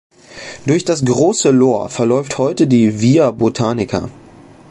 Durch das „Große Lohr“ verläuft heute die „Via Botanica“.